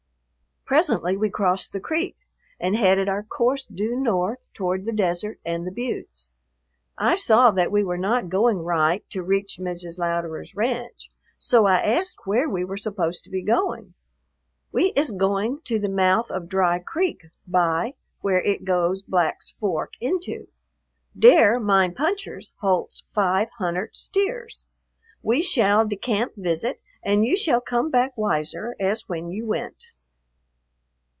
Presently we crossed the creek and headed our course due north toward the desert and the buttes. I saw that we were not going right to reach Mrs. Louderer's ranch, so I asked where we were supposed to be going. "We iss going to the mouth of Dry Creek by, where it goes Black's Fork into. Dere mine punchers holdts five huntert steers. We shall de camp visit and you shall come back wiser as when you went."